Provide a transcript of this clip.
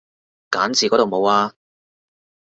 揀字嗰度冇啊